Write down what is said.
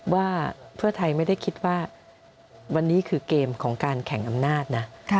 ว่าเพื่อไทยไม่ได้คิดว่าวันนี้คือเกมของการแข่งอำนาจนะ